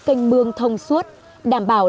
kênh mương thông suốt đảm bảo